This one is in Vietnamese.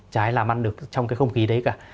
trái làm ăn được trong cái không khí đấy cả